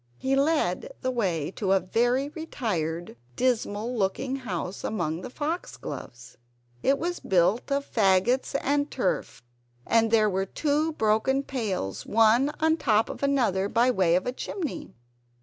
He led the way to a very retired, dismal looking house amongst the foxgloves. It was built of faggots and turf, and there were two broken pails, one on top of another, by way of a chimney.